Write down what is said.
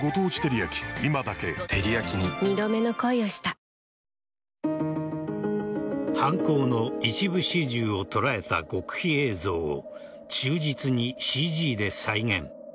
おいしい免疫ケア犯行の一部始終を捉えた極秘映像を忠実にＣＧで再現。